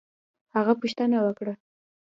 هغه پوښتنه وکړه